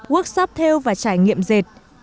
workshop theo và trải nghiệm dệt